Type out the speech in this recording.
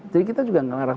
jadi kita juga ngelarang